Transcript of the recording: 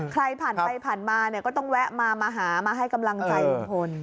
ใครผ่านไปผ่านมาเนี่ยก็ต้องแวะมามาหามาให้กำลังใจลุงพล